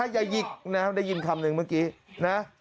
อย่าหยิกนะได้ยินคำหนึ่งเมื่อกี้นะ